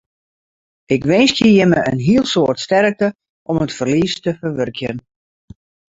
Ik winskje jimme in hiel soad sterkte om it ferlies te ferwurkjen.